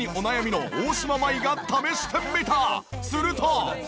すると。